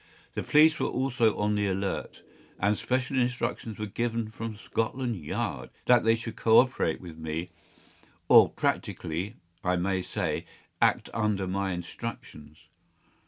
The police were also on the alert, and special instructions were given from Scotland Yard that they should coöperate with me, or practically, I may say, act under my instructions.